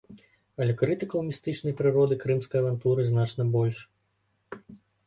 Але крытыкаў містычнай прыроды крымскай авантуры значна больш.